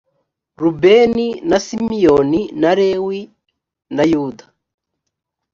rubeni na simiyoni na lewi na yuda